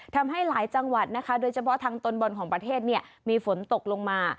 ทำให้หลายจังหวัดนะคะโดยเฉพาะทางตอนบนของประเทศเนี่ยมีฝนตกลงมา